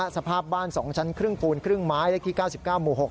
สภาพบ้าน๒ชั้นครึ่งปูนครึ่งไม้เลขที่๙๙หมู่๖